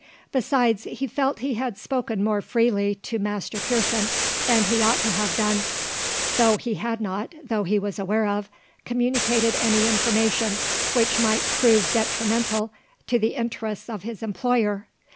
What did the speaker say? Besides, he felt he had spoken more freely to Master Pearson than he ought to have done, though he had not, that he was aware of, communicated any information which might prove detrimental to the interests of his employer.